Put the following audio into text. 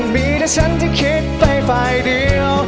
มีแต่ฉันจะคิดไปฝ่ายเดียว